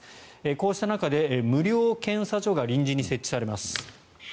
こうした中で、無料検査所が臨時に設置されます。